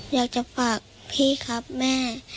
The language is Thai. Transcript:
อยากจะฝากพี่ครับแม่